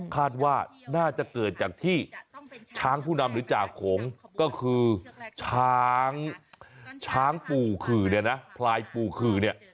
คาดว่าน่าจะเกิดจากที่ช้างผู้นำหรือจ่าโขงก็คือช้างช้างปู่ขื่อเนี่ยนะพลายปู่ขื่อเนี่ย